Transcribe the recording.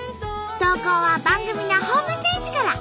投稿は番組のホームページから。